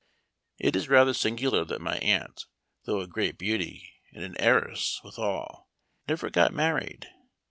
" It is rather singular that my aunt, though a great beauty, and an heiress withal, never got married.